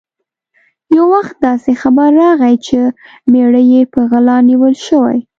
یو وخت داسې خبر راغی چې مېړه یې په غلا نیول شوی.